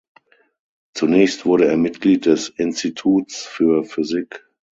Zunächst wurde er Mitglied des Instituts für Physik.